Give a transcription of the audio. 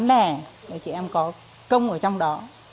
để chị em có công ở trong đó